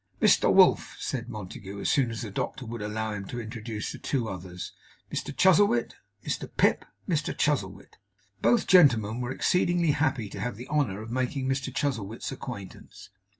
'Mr Wolf,' said Montague, as soon as the doctor would allow him to introduce the two others, 'Mr Chuzzlewit. Mr Pip, Mr Chuzzlewit.' Both gentlemen were exceedingly happy to have the honour of making Mr Chuzzlewit's acquaintance.